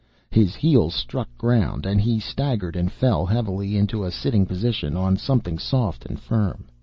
His heels struck ground, and he staggered and fell heavily into a sitting position on something soft and firm.